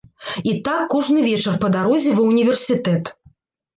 І так кожны вечар па дарозе ва ўніверсітэт.